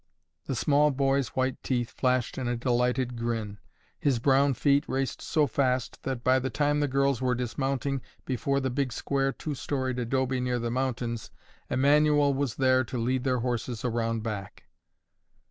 The small boy's white teeth flashed in a delighted grin. His brown feet raced so fast, that, by the time the girls were dismounting before the big square two storied adobe near the mountains, Emanuel was there to lead their horses around back.